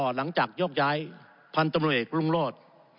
หลังจากยกย้ายพันธุ์ตำรวจเอกรุ้งโลศ